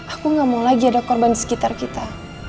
aku gak mau lagi ada korban sekitar kita